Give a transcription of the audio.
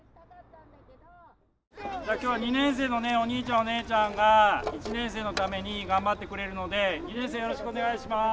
今日は２年生のねお兄ちゃんお姉ちゃんが１年生のために頑張ってくれるので２年生よろしくお願いします。